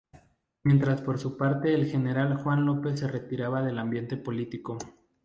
Mientras por su parte el general Juan López se retiraba del ambiente político.